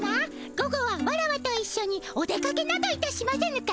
午後はワラワといっしょにお出かけなどいたしませぬか？